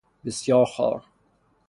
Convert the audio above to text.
بسیار خوار